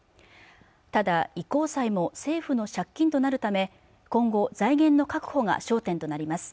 ただ移行債も政府の借金となるため今後財源の確保が焦点となります